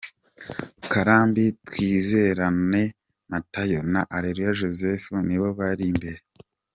karambi, Twizerane Mathieu na Arerua Joseph nibo bari imbere.